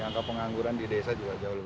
angka pengangguran di desa juga jauh lebih